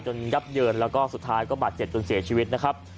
ยับเยินแล้วก็สุดท้ายก็บาดเจ็บจนเสียชีวิตนะครับ